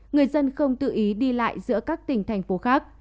người dân không tự ý đi lại giữa các tỉnh thành phố khác